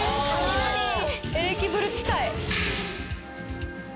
エレキブル地帯。